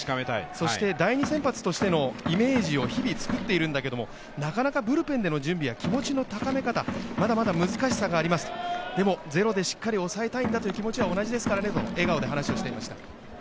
そして、第２先発としてのイメージを日々作っているんだけど、なかなかブルペンでの準備や気持ちの高め方まだまだ難しさがありますと、でも、ゼロでしっかりとおさえたいという気持ちは同じですからねと笑顔で話をしていました。